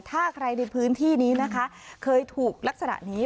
ถ้าใครในพื้นที่นี้นะคะเคยถูกลักษณะนี้